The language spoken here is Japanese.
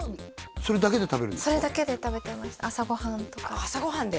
それだけで食べてました朝ご飯とか朝ご飯で？